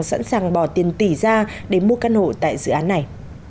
sẵn sàng bỏ tiền tỷ ra để mua căn hộ tại dự án này